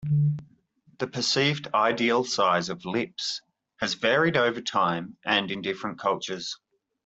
The perceived ideal size of lips has varied over time and in different cultures.